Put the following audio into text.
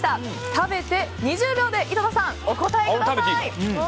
食べて２０秒で井戸田さん、お答えください！